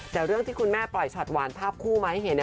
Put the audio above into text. แต่เรื่องที่คุณแม่ปล่อยช็อตหวานภาพคู่มาให้เห็น